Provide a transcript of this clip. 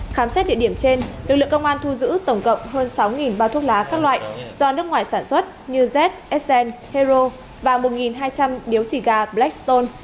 khám xét địa điểm trên lực lượng công an thu giữ tổng cộng hơn sáu bao thuốc lá các loại do nước ngoài sản xuất như z sen hero và một hai trăm linh điếu xì gà blackon